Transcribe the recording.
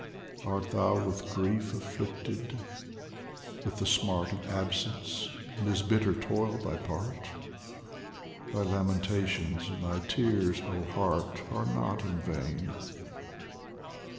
Art thou with grief afflicted, with the smart Of absence, and is bitter toil thy part ? Thy lamentations and thy tears, oh Heart, Are not in vain